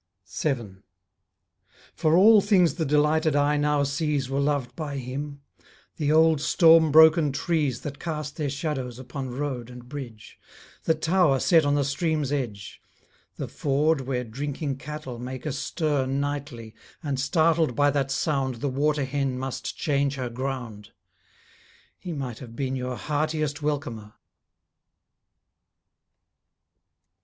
7 For all things the delighted eye now sees Were loved by him; the old storm broken trees That cast their shadows upon road and bridge; The tower set on the stream's edge; The ford where drinking cattle make a stir Nightly, and startled by that sound The water hen must change her ground; He might have been your heartiest welcomer.